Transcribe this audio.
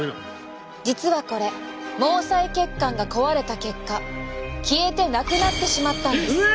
実はこれ毛細血管が壊れた結果消えて無くなってしまったんです！